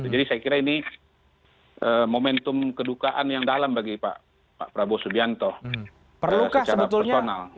jadi saya kira ini momentum kedukaan yang dalam bagi pak prabowo subianto secara personal